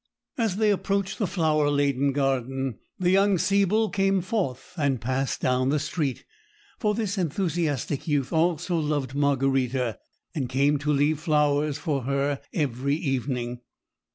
As they approached the flower laden garden, the young Siebel came forth and passed down the street; for this enthusiastic youth also loved Margarita, and came to leave flowers for her every evening.